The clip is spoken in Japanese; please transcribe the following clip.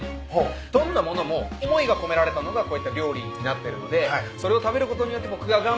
どんな物も思いが込められたのがこういった料理になってるのでそれを食べることによって僕が頑張る。